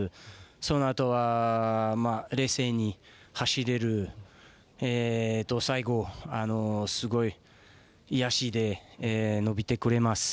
そのあとは冷静に走れるのと最後、すごいいい脚で伸びてくれます。